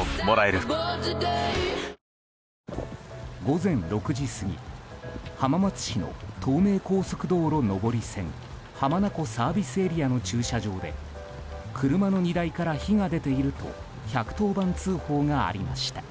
午前６時過ぎ浜松市の東名高速道路上り線浜名湖ＳＡの駐車場で車の荷台から火が出ていると１１０番通報がありました。